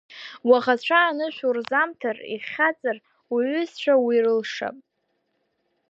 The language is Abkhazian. Уаӷацәа анышә урзамҭар, ихьаҵыр, уҩызцәа уи рылшап.